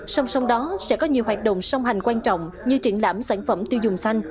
song song đó sẽ có nhiều hoạt động song hành quan trọng như triển lãm sản phẩm tiêu dùng xanh